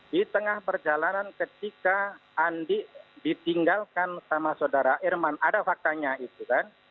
di tengah perjalanan ketika andi ditinggalkan sama saudara irman ada faktanya itu kan